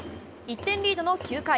１点リードの９回。